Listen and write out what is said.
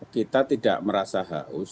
kita tidak merasa haus